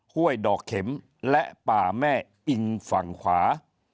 ห้วยดอกเข็มและป่าแม่อิงฝั่งขวา